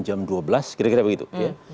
jam dua belas kira kira begitu ya